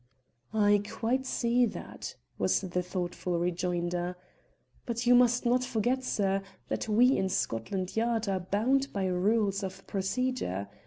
"I quite see that," was the thoughtful rejoinder. "But you must not forget, sir, that we in Scotland Yard are bound by rules of procedure.